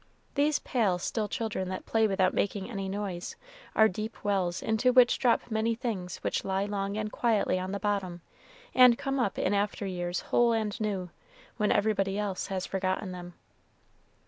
These pale, still children that play without making any noise are deep wells into which drop many things which lie long and quietly on the bottom, and come up in after years whole and new, when everybody else has forgotten them.